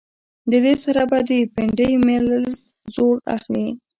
د دې سره به د پنډۍ مسلز زور اخلي